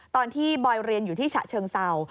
ตอนที่บอยเรียนอยู่ที่ฉะเชิงเศร้า